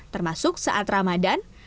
termasuk saat ramadhan